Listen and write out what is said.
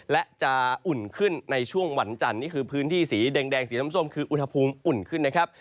และจะอุ่นขึ้นในช่วงวันจันทร์นี่คือพื้นที่สีแดงสีน้ำส้มคืออุณหภูมิอุ่นขึ้นนะครับ